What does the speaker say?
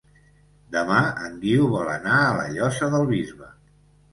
Demà en Guiu vol anar a la Llosa del Bisbe.